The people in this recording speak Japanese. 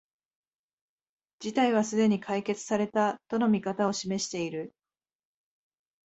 事態はすでに解決された、との見方を示している